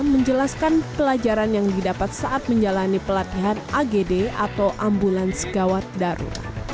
menjelaskan pelajaran yang didapat saat menjalani pelatihan agd atau ambulans gawat darurat